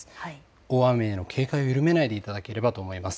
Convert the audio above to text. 大雨への警戒を緩めないでいただければと思います。